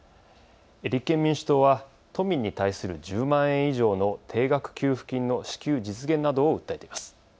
立憲民主党は都民に対する１０万円以上の定額給付金の支給実現などを訴えています。